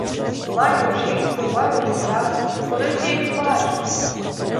Маю жінку, маю дитя — коли ж я їх бачу?